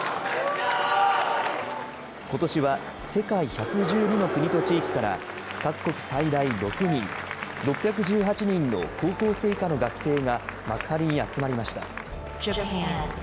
ことしは世界１１２の国と地域から、各国最大６人、６１８人の高校生以下の学生が幕張に集まりました。